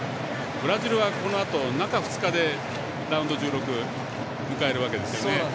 ブラジルはこのあと中２日でラウンド１６を迎えるわけですよね。